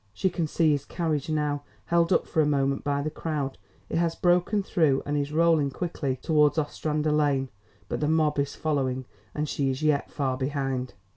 She can see his carriage now. Held up for a moment by the crowd, it has broken through, and is rolling quickly towards Ostrander Lane. But the mob is following, and she is yet far behind.